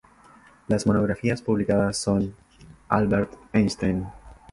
Las monografías publicada son: Albert Einstein.